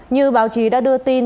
như báo chí đã đưa tin